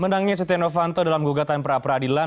menangnya setia novanto dalam gugatan perapradilan